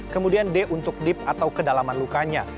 kemudian d untuk dip atau kedalaman lukanya